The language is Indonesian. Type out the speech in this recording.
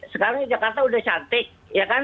sekarang jakarta udah cantik ya kan